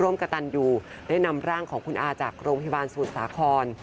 ร่วมกระตันอยู่ได้นำร่างของคุณอาจากโรงพิบาลสูดสาขร